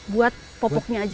buat popoknya aja